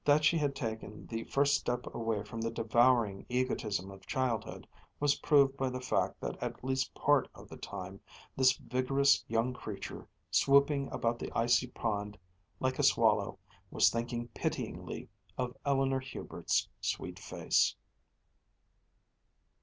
That she had taken the first step away from the devouring egotism of childhood was proved by the fact that at least part of the time, this vigorous young creature, swooping about the icy pond like a swallow, was thinking pityingly of Eleanor Hubert's sweet face.